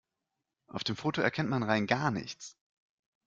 Auf dem Foto erkennt man rein gar nichts.